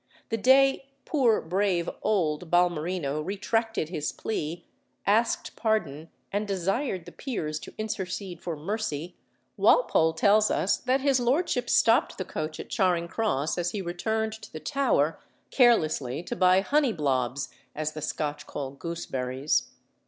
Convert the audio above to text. The day "poor brave old" Balmerino retracted his plea, asked pardon, and desired the Peers to intercede for mercy, Walpole tells us that his lordship stopped the coach at Charing Cross as he returned to the Tower, carelessly to buy "honey blobs," as the Scotch call gooseberries.